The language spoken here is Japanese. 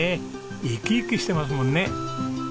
生き生きしてますもんね。